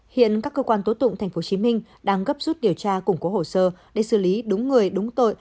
hiện các cơ quan tố tụng tp hcm đang gấp rút điều tra củng cố hồ sơ để xử lý đúng người đúng tội